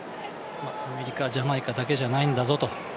アメリカ、ジャマイカだけじゃないんだぞと。